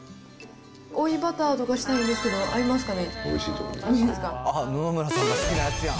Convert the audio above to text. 追いバターとかしたいんですけど、合いますかね。